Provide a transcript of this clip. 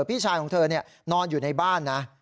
พี่ชายของเธอนอนอยู่ในบ้านนะ